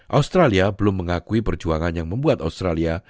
australia belum mengakui perjuangan yang membuat australia